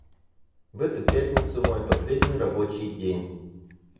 В эту пятницу мой последний рабочий день.